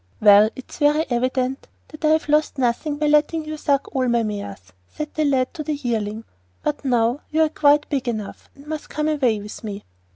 'Well, it's very evident that I have lost nothing by letting you suck all my mares,' said the lad to the yearling; 'but now you are quite big enough, and must come away with me.